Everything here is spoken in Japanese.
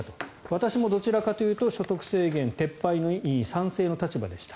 私もどちらかというと所得制限撤廃に賛成の立場でした。